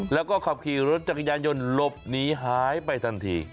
แล้วก็ขับขี่รถจักรยานยนต์หลบหนีหายไปทันที